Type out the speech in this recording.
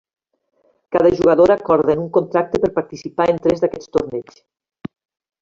Cada jugadora acorda en un contracte per participar en tres d'aquests torneigs.